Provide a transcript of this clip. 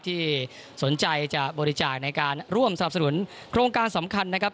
ที่สนใจจะบริจาคในการร่วมสนับสนุนโครงการสำคัญนะครับ